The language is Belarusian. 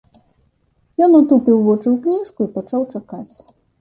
Ён утупіў вочы ў кніжку і пачаў чакаць.